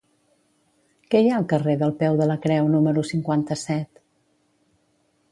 Què hi ha al carrer del Peu de la Creu número cinquanta-set?